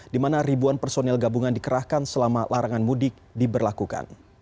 di mana ribuan personil gabungan dikerahkan selama larangan mudik diberlakukan